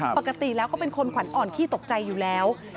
ปกติแล้วก็เป็นคนขวัญอ่อนขี้ตกใจอยู่แล้ว